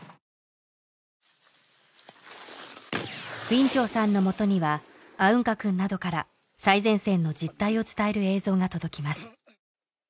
ウィンチョウさんのもとにはアウンカくんなどから最前線の実態を伝える映像が届きます